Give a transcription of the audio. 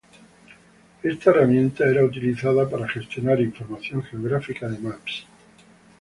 Esta herramienta era utilizada para gestionar información geográfica de Maps.